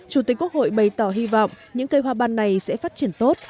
chủ tịch quốc hội bày tỏ hy vọng những cây hoa ban này sẽ phát triển tốt